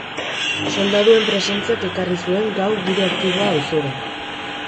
Soldaduen presentziak ekarri zuen gau giro aktiboa auzora.